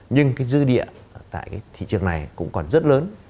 nhưng dư địa tại thị trường này cũng còn rất lớn